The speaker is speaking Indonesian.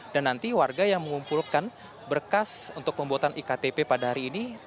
nanti warga yang mengumpulkan berkas untuk pembuatan iktp pada hari ini